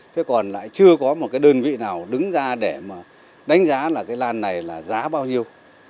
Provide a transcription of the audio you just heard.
thế còn lại chưa có một cái đơn vị nào đứng ra để mà đánh giá là cái lan này là giá bao nhiêu